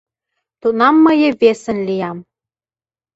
Тунам мые весын лиям.